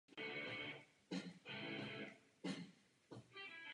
Zmínka o něm se nachází i v Hitlerově knize "Mein Kampf".